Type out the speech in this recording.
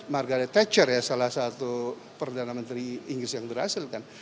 margaret thatcher ya salah satu perdana menteri inggris yang berhasil kan